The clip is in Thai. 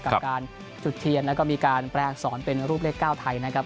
กับการจุดเทียนแล้วก็มีการแปลอักษรเป็นรูปเลข๙ไทยนะครับ